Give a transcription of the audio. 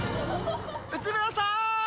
内村さん！